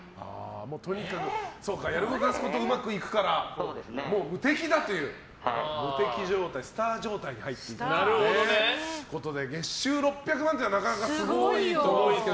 とにかく、やることなすことうまくいくから無敵だという無敵状態、スター状態に入っていたということで月収６００万っていうのはなかなかすごいですよ。